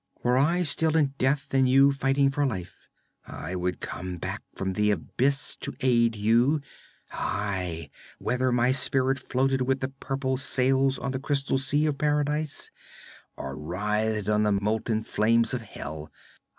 Were I still in death and you fighting for life, I would come back from the abyss to aid you aye, whether my spirit floated with the purple sails on the crystal sea of paradise, or writhed in the molten flames of hell!